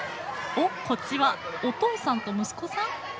おっこっちはお父さんと息子さん？